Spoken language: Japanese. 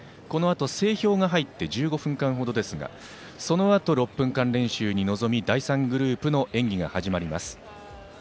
このあと１５分間ほど整氷が入ってそのあと６分間練習に臨み第３グループの演技が始まります。